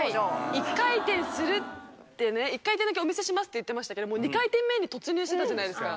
「１回転だけお見せします」って言ってましたけど２回転目に突入してたじゃないですか。